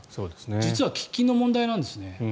実は喫緊の問題なんですね。